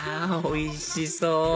おいしそう！